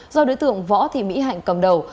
do đối tượng võ thị mỹ hạnh cầm đầu